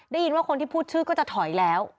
ได้ยินว่าคนที่พูดชื่อก็จะถอยแล้ว